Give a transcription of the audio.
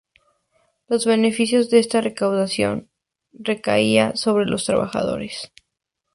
Los beneficios de esta recaudación recaía sobre los trabajadores.